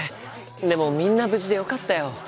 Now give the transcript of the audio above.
でもみんな無事でよかったよ。